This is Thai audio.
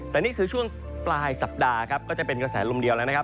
แต่นี่คือช่วงปลายสัปดาห์ครับก็จะเป็นกระแสลมเดียวแล้วนะครับ